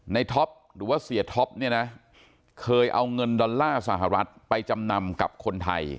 ท็อปหรือว่าเสียท็อปเนี่ยนะเคยเอาเงินดอลลาร์สหรัฐไปจำนำกับคนไทย